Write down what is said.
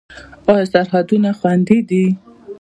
آیا سرحدونه خوندي دي؟